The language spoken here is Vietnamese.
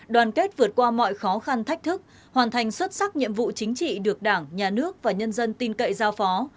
đoàn kết vượt qua mọi khó khăn thách thức hoàn thành xuất sắc nhiệm vụ chính trị được đảng nhà nước và nhân dân tin cậy giao phó